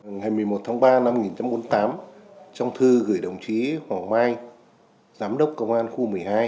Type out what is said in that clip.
ngày một mươi một tháng ba năm một nghìn chín trăm bốn mươi tám trong thư gửi đồng chí hoàng mai giám đốc công an khu một mươi hai